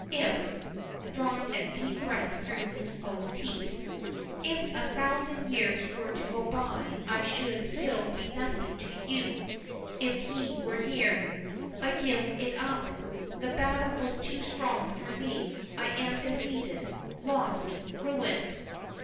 If," drawing a deep breath through his closed teeth, "if a thousand years were to go by I should still be nothing to you if he were near. I give it up. The battle was too strong for me. I am defeated, lost, ruined."